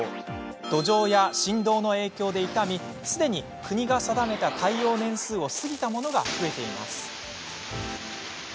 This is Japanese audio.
土壌や振動の影響で傷みすでに国が定めた耐用年数を過ぎたものが増えています。